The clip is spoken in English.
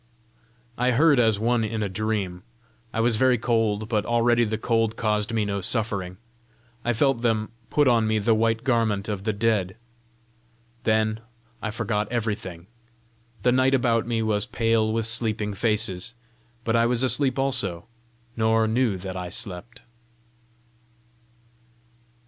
I heard as one in a dream. I was very cold, but already the cold caused me no suffering. I felt them put on me the white garment of the dead. Then I forgot everything. The night about me was pale with sleeping faces, but I was asleep also, nor knew that I slept.